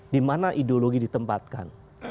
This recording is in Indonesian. di mana ideologi ditempatkan